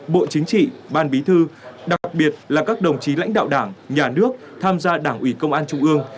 bộ chính trị ban bí thư đặc biệt là các đồng chí lãnh đạo đảng nhà nước tham gia đảng ủy công an trung ương